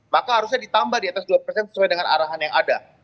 maka harusnya ditambah di atas dua persen sesuai dengan arahan yang ada